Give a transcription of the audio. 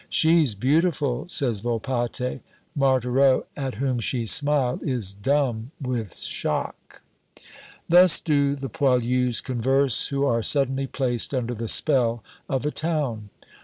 'She's beautiful,' says Volpatte. Marthereau, at whom she smiled, is dumb with shock. Thus do the poilus converse who are suddenly placed under the spell of a town.